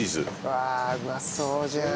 うわうまそうじゃん。